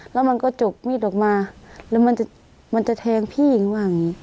แล้วมันก็จุ๊กมีดออกมาแล้วมันจะเธงพี่ไงบ้างนี้